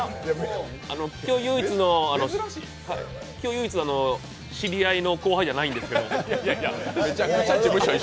今日唯一の知り合いの後輩じゃないんですけど。